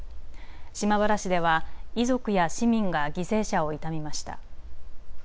島原市では遺族や市民が犠牲者を悼みました。